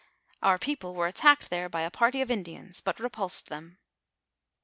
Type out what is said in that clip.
Our people were attacked there by a party of Indians, but repulsed them.